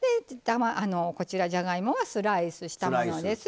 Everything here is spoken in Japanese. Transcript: こちらじゃがいもはスライスしたものです。